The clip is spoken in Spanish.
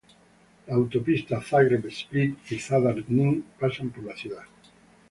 La autopista Zagreb-Split y Zadar-Knin pasan por la ciudad.